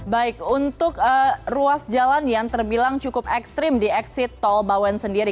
baik untuk ruas jalan yang terbilang cukup ekstrim di exit tol bawen sendiri